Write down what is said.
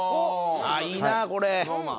あっいいなこれ！